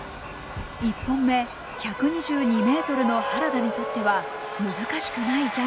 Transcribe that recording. １本目１２２ｍの原田にとっては難しくない